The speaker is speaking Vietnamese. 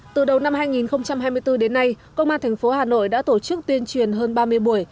từ đầu năm hai nghìn hai mươi bốn đến nay công an thành phố hà nội đã tổ chức tuyên truyền hơn ba mươi buổi